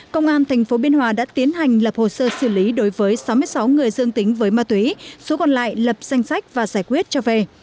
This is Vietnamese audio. công an tp biên hòa đã tiến hành lập hồ sơ xử lý đối với sáu mươi sáu người dương tính với ma túy số còn lại lập danh sách và giải quyết cho về